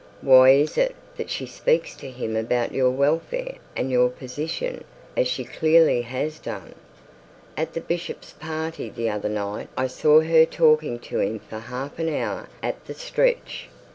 Why is it that she speaks to him of about your welfare and your position, as she clearly has done? At the bishop's party the other night, I saw her talking to him for half an hour at the stretch.'